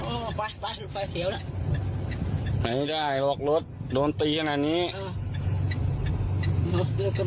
ออกไปไปไฟเขียวน่ะไหนได้หรอกรถโดนตีขนาดนี้อ่า